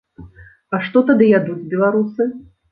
А што тады ядуць беларусы?